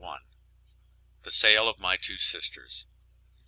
THE SALE OF MY TWO SISTERS.